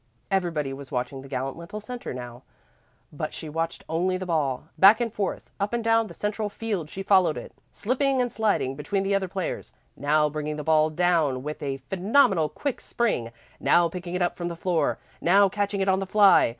Everybody was watching the gallant little centre now, but she watched only the ball. Back and forth, up and down the central field she followed it, slipping and sliding between the other players, now bringing the ball down with a phenomenal quick spring, now picking it up from the floor, now catching it on the fly.